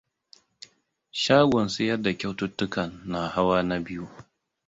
Shagon siyar da kyautukan na hawa na biyu.